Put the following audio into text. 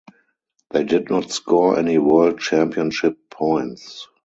They did not score any World Championship points.